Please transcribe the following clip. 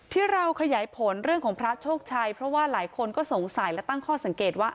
ที่เราขยายผลเรื่องของพระโชคชัยเพราะว่าหลายคนก็สงสัยและตั้งข้อสังเกตว่า